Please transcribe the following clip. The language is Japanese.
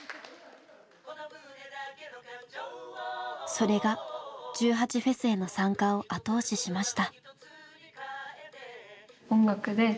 それが１８祭への参加を後押ししました。